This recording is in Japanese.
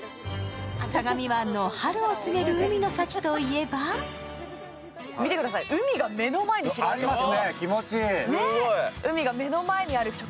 相模湾の春を告げる海の幸といえば見てください、海が目の前に広がってますよ。